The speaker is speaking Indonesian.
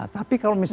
tapi kalau misalnya